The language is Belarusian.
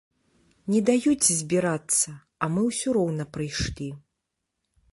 Не даюць збірацца, а мы ўсё роўна прыйшлі.